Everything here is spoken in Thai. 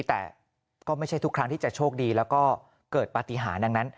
แต่ก็ไม่ใช่ทุกครั้งที่จะโชคดีแล้วก็เกิดปฏิหารดังนั้น